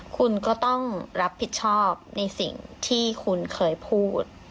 คุณก็ต้องรับผิดชอบในสิ่งที่คุณเคยพูด